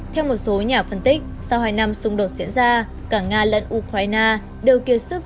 theo một số nhà phân tích sau hai năm xung đột diễn ra cả nga lẫn ukraine đều kiệt sức